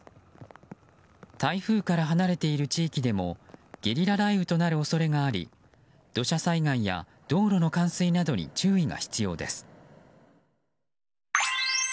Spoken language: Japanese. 台風から離れている地域でもゲリラ雷雨となる恐れがあり土砂災害や道路の冠水などに注意が必要です。